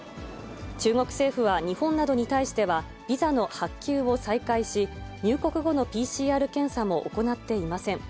中国政府は、日本などに対してはビザの発給を再開し、入国後のＰＣＲ検査も行っていません。